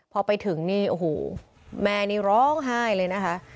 พอไปถึงนี่โอ้โหแม่นี่ร้องไห้เลยนะคะ